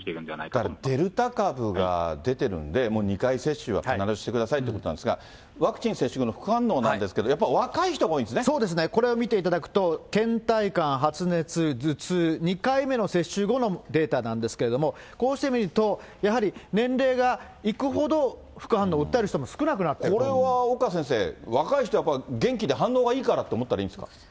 ただデルタ株が出てるんで、２回接種は必ずしてくださいということなんですが、ワクチン接種後の副反応なんですけど、やっぱそうですね、これを見ていただくと、けん怠感、発熱、頭痛、２回目の接種後のデータなんですけれども、こうして見ると、やはり年齢がいくほど、副反応を訴えこれは岡先生、若い人はやっぱり元気で反応がいいからと思ったらいいんですか。